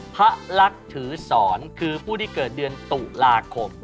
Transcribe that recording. พระลักษณ์ถือสอนคือผู้ที่เกิดเดือนตุลาคม